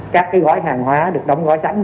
các gói hàng hóa được đóng gói sẵn